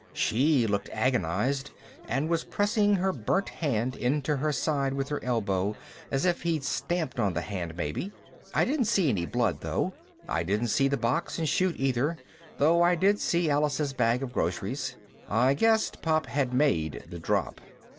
She looked agonized and was pressing her burnt hand into her side with her elbow as if he'd stamped on the hand, maybe. I didn't see any blood though. I didn't see the box and 'chute either, though I did see Alice's bag of groceries. I guessed Pop had made the drop.